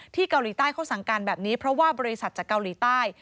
เกาหลีใต้เขาสั่งการแบบนี้เพราะว่าบริษัทจากเกาหลีใต้